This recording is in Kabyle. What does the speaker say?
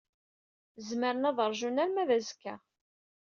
Zemren ad ṛjun arma d azekka.